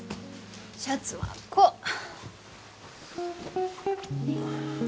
シャツはこう。